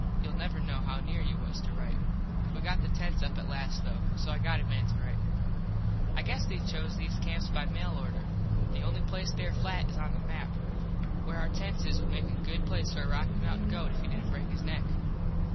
Youll never know how near you was to right. We got the tents up at last, though, so I got a minit to rite. I guess they choose these camps by mail order. The only place there flat is on the map. Where our tents is would make a good place for a Rocky Mountin goat if he didnt break his neck.